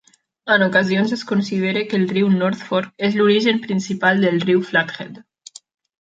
En ocasions es considera que el riu North Fork és l'origen principal del riu Flathead.